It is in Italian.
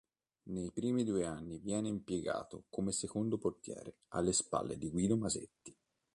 Nei primi due anni viene impiegato come secondo portiere, alle spalle di Guido Masetti.